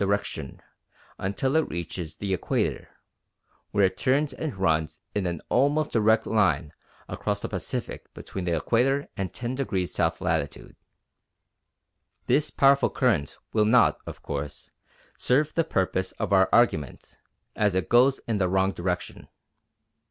direction until it reaches the Equator, where it turns and runs in an almost direct line across the Pacific between the Equator and 10° south latitude. This powerful current will not, of course, serve the purpose of our argument, as it goes in the wrong direction.